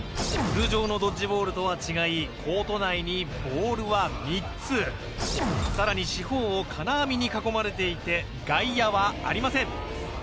通常のドッジボールとは違いコート内にボールは３つさらに四方を金網に囲まれていて外野はありません